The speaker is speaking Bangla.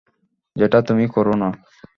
যেটা তুমি করো না।